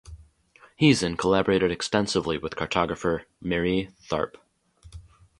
Heezen collaborated extensively with cartographer Marie Tharp.